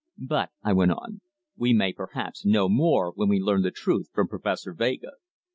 But," I went on, "we may perhaps know more when we learn the truth from Professor Vega."